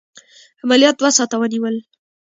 عملیات دوه ساعته ونیول.